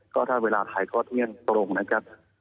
ก็ถ้าเวลาถ่ายทอดเที่ยงตรงนะครับ